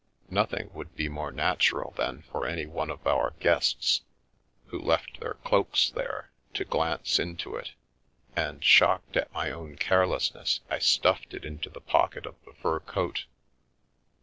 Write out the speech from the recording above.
Nothing would be more natural than for any one of our guests, who left their cloaks there, to glance into it, and, shocked at my own carelessness, I stuffed it into the pocket of the fur coat.